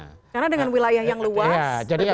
karena dengan wilayah yang luas berbeda begitu ya